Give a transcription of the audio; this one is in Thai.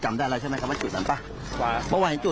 จะชิบยอมที่เจนรักพี่เอมมากถึงยอมทางทุกอย่างเนี่ย